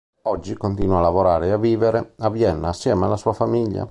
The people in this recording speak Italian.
Oggi continua a lavorare e vivere a Vienna, assieme alla sua famiglia.